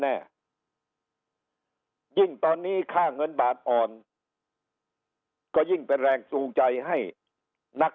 แน่ยิ่งตอนนี้ค่าเงินบาทอ่อนก็ยิ่งเป็นแรงจูงใจให้นัก